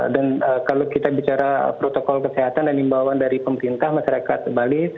dan kalau kita bicara protokol kesehatan dan imbauan dari pemerintah masyarakat bali